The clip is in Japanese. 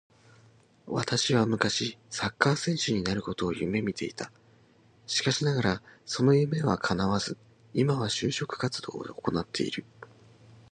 私は昔サッカー選手になることを夢見ていた。しかしながらその夢は叶わず、今は就職活動を行っている